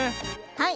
はい。